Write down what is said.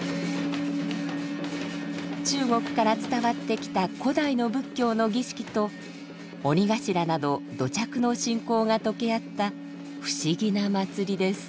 中国から伝わってきた古代の仏教の儀式と鬼頭など土着の信仰が溶け合った不思議な祭りです。